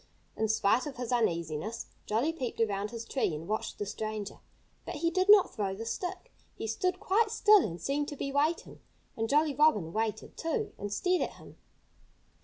In spite of his uneasiness, Jolly peeped around his tree and watched the stranger. But he did not throw the stick. He stood quite still and seemed to be waiting. And Jolly Robin waited, too, and stared at him.